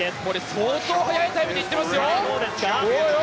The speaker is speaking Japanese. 相当速いタイムで行ってますよ。